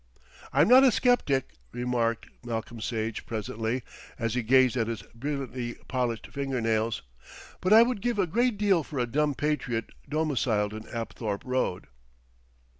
"I'm not a sceptic," remarked Malcolm Sage presently, as he gazed at his brilliantly polished fingernails, "but I would give a great deal for a dumb patriot domiciled in Apthorpe Road."